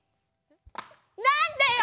なんだよ！